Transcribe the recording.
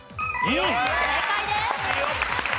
正解です。